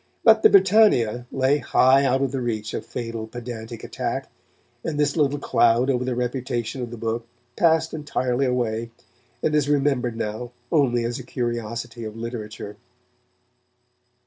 But the Britannia lay high out of the reach of fatal pedantic attack, and this little cloud over the reputation of the book passed entirely away, and is remembered now only as a curiosity of literature.